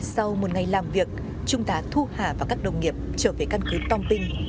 sau một ngày làm việc trung tá thu hà và các đồng nghiệp trở về căn cứ tom ping